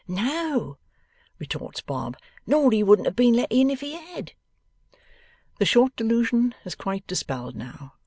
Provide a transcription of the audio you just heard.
'No,' retorts Bob. 'Nor he wouldn't have been let in, if he had.' The short delusion is quite dispelled now.